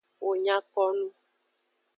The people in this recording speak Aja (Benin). Wo nya ko nu.